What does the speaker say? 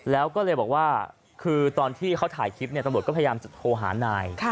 แล้วก็เลยบอกว่าคือตอนที่เขาถ่ายคลิปตำรวจก็พยายามจะโทรหานาย